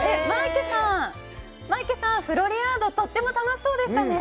マイケさん、フロリアード、とっても楽しそうでしたね。